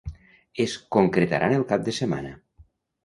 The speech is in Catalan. Es concretaran el cap de setmana.